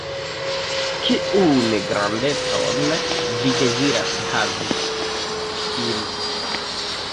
"Kiun grandecon vi deziras havi?" ĝi diris.